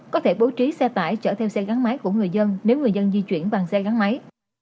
có thể bố trí xe tải chở theo xe gắn máy của người dân nếu người dân di chuyển bằng xe gắn máy